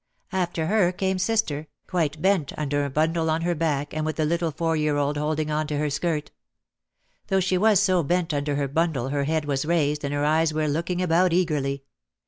After her came sister, quite bent under a bundle on her back and with the little four year old girl holding on to her skirt. Though she was so bent under her bundle her head was raised and her eyes were looking about eagerly.